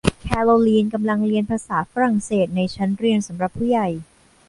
แคโรลีนกำลังเรียนภาษาฝรั่งเศสในชั้นเรียนสำหรับผู้ใหญ่